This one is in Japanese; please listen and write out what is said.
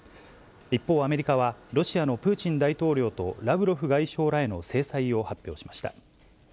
一方、アメリカはロシアのプーチン大統領とラブロフ外相らへの制裁を発表しました。